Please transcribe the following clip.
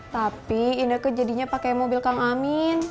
tapi indeke jadinya pake mobil kang amin